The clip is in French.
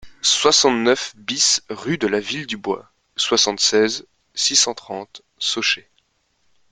soixante-neuf BIS rue de la Ville du Bois, soixante-seize, six cent trente, Sauchay